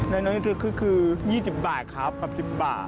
ในน้ำนี้คือ๒๐บาทครับกับ๑๐บาท